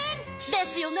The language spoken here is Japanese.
ですよね！